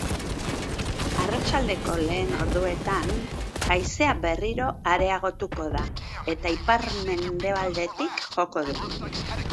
Arratsaldeko lehen orduetan, haizea berriro areagotuko da, eta ipar-mendebaldetik joko du.